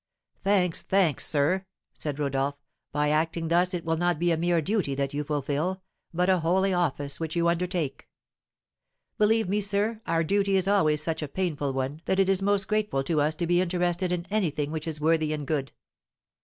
"Thanks, thanks, sir!" said Rodolph; "by acting thus it will not be a mere duty that you fulfil, but a holy office which you undertake." "Believe me, sir, our duty is always such a painful one that it is most grateful to us to be interested in any thing which is worthy and good."